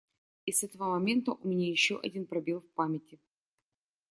И с этого момента у меня еще один пробел в памяти.